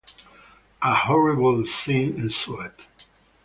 A horrible scene ensued.